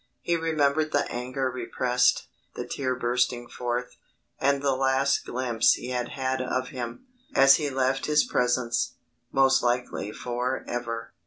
He remembered the anger repressed, the tear bursting forth, and the last glimpse he had of him, as he left his presence, most likely for ever.